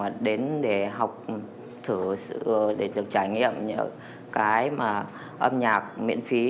và đến để học thử sự để được trải nghiệm những cái mà âm nhạc miễn phí